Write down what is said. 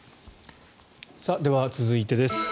では続いてです。